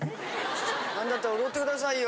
何だったら踊って下さいよ